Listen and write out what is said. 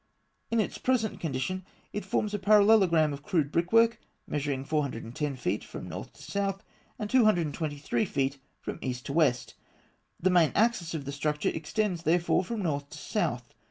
In its present condition, it forms a parallelogram of crude brickwork measuring 410 feet from north to south, and 223 feet from east to west. The main axis of the structure extends, therefore, from north to south.